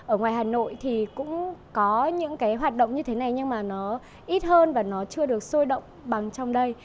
ở ngoài hà nội thì cũng có những cái hoạt động như thế này nhưng mà nó ít hơn và nó chưa được sôi động bằng trong đây